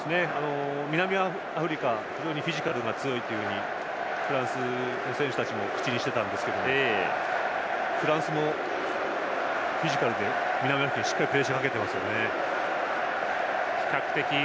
南アフリカは非常にフィジカルが強いとフランスの選手たちも口にしていたんですけどもフランスもフィジカルで南アフリカにしっかりプレッシャーかけてます。